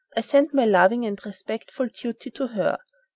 I send my loving and respectful duty to her."